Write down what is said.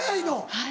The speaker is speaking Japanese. はい。